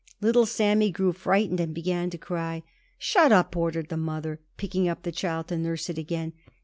Little Sammy grew frightened and began to cry. "Shut up!" ordered the mother, picking up the child to nurse it again.